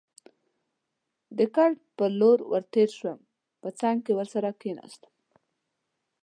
د کټ په لور ور تېر شوم، په څنګ کې ورسره کېناستم.